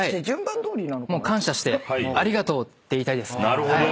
なるほど。